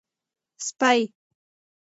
سپۍ